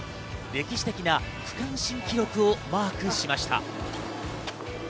歴史的な区間新記録をマークしました。